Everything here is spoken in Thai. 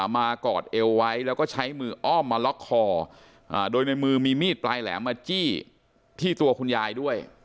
มากอดเอวไว้แล้วก็ใช้มืออ้อมมาล็อกคอโดยในมือมีมีดปลายแหลมมาจี้ที่ตัวคุณยายด้วย